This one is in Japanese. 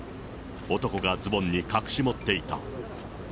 男がズボンに隠し持っていた。